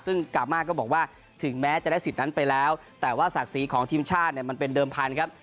ซึ่งกามาก็บอกว่าถึงแม้จะได้สิทธิ์นั้นไปแล้วแต่ว่าศักดิ์ศรีของทีมชาติเนี่ยมันเป็นเดิมพันธุ์ครับ